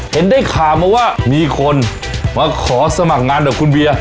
เห็นได้ข่าวมาว่ามีคนมาขอสมัครงานกับคุณเวีย